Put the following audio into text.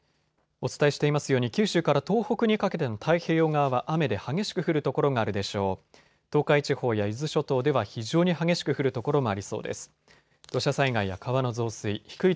お伝えしていますように九州から東北にかけての太平洋側は雨で激しく降る所があるでしょう。